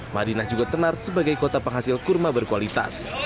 madinah juga tenar sebagai kota penghasil kurma berkualitas